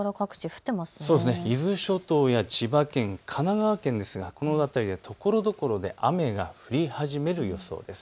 伊豆諸島や千葉県、神奈川県ですがこの辺りところどころで雨が降り始める予想です。